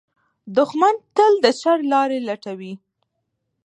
دښمن تل د شر لارې لټوي